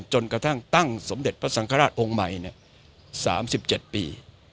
จนกระทั่งตั้งสมเด็จพระสังฆราชองค์ใหม่๓๗ปี